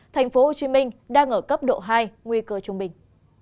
tp hcm đang ở cấp độ hai nguy cơ trung bình